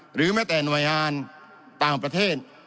หรือแม้แต่หน่วยงานต่างประเทศ